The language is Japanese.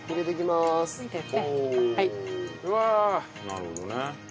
なるほどね。